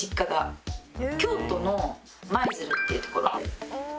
京都の舞鶴っていう所で。